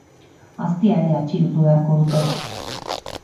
Aztia ere atxilotu beharko dute.